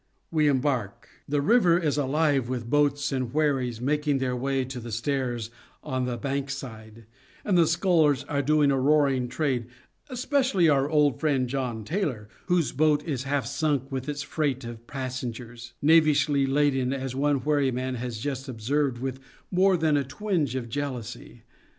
We embark. The river is alive with boats and wherries making their way to the stairs on The Bankside, and the scullers are doing a roaring trade, especially our old friend John Taylor, whose boat is half sunk with its freight of passengers ; knavishly loaden, i6 SHAKESPEAREAN THEATRES as one wherryman has just observed with more than a twinge of jealousy.